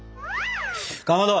かまど！